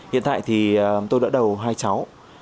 hiện tại thì tôi đỡ đầu hai cháu